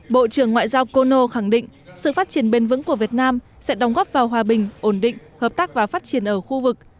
bộ trưởng ngoại giao kono khẳng định sự phát triển bền vững của việt nam sẽ đóng góp vào hòa bình ổn định hợp tác và phát triển ở khu vực